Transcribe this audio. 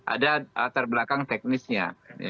ada latar belakang teknisnya